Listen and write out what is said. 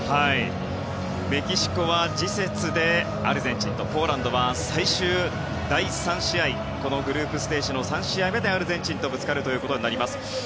メキシコは次節でアルゼンチンとポーランドは最終第３試合このグループステージの３試合目でアルゼンチンとぶつかります。